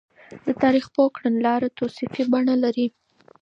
د تاريخ پوه کړنلاره توصيفي بڼه لري.